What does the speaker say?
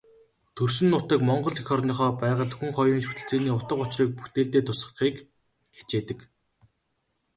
Төрсөн нутаг, Монгол эх орныхоо байгаль, хүн хоёрын шүтэлцээний утга учрыг бүтээлдээ тусгахыг хичээдэг.